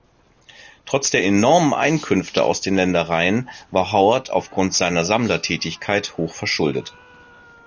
Trotz der enormen Einkünfte aus den Ländereien war Howard aufgrund seiner Sammlertätigkeit hochverschuldet.